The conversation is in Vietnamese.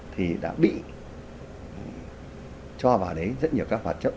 thì đã bị cho vào đấy rất nhiều các hoạt chất